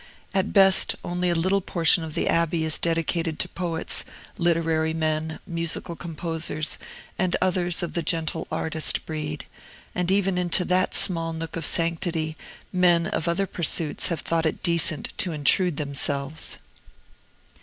At best, only a little portion of the Abbey is dedicated to poets, literary men, musical composers, and others of the gentle artist breed, and even into that small nook of sanctity men of other pursuits have thought it decent to intrude themselves.